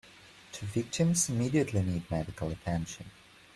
Two victims immediately need medical attention.